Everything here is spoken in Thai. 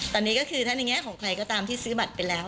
ตอนนี้ก็คือถ้าในแง่ของใครก็ตามที่ซื้อบัตรไปแล้ว